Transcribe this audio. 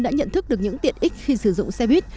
đã nhận thức được những tiện ích khi sử dụng xe buýt